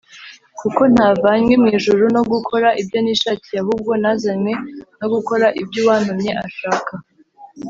“kuko ntavanywe mu ijuru no gukora ibyo nishakiye, ahubwo nazanywe no gukora ibyo uwantumye ashaka